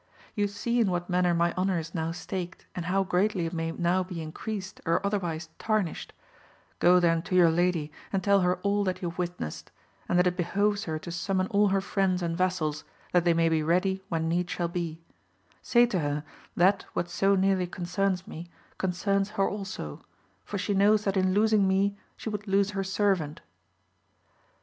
You see in what manner my honour is now staked, how greatly it may now be increased or otherwise tarnished ; go then to your lady and tell her all that you have witnessed, and that it behoves her to summon all her friends and vassals that they may be ready when need shall be ; say to her that what so nearly concerns me, concerns her also, for she knows that in losing me she would lose her servant.